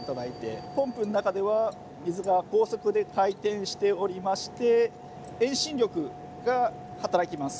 ポンプの中では水が高速で回転しておりまして遠心力が働きます。